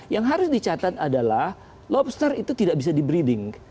yang harus dicatat adalah lobster itu tidak bisa di breeding